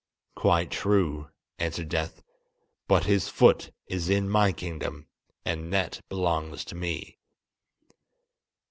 "Quite true," answered Death; "but his foot is in my kingdom, and that belongs to me!"